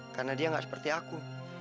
karena dia gak seperti aku